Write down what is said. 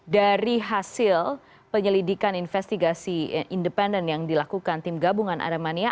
dari hasil penyelidikan investigasi independen yang dilakukan tim gabungan aremania